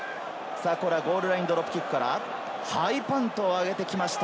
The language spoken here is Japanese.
ゴールラインドロップキックからハイパントを上げてきました。